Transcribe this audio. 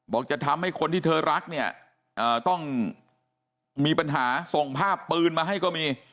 จะทำให้คนที่เธอรักเนี่ยต้องมีปัญหาส่งภาพปืนมาให้ก็มี